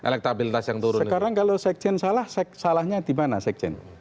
sekjen salah salahnya di mana sekjen